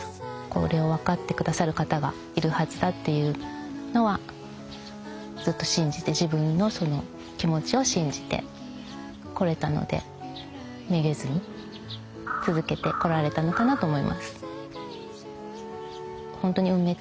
これを分かって下さる方がいるはずだっていうのはずっと信じて自分のその気持ちを信じてこれたのでめげずに続けてこられたのかなと思います。